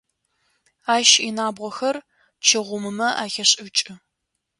Ащ инабгъохэр чы гъумымэ ахешӏыкӏы.